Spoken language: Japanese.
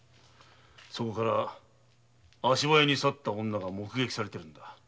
そこから早足に去った女が目撃されているのだ。